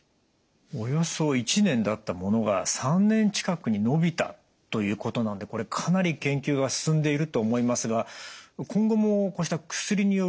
およそ１年だったものが３年近くに延びたということなんでかなり研究が進んでいると思いますが今後もこうした薬による治療の効果上がってきそうなんですか？